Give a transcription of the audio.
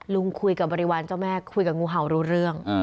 ลุงคุยกับบริวารเจ้าแม่คุยกับงูเห่ารู้เรื่อง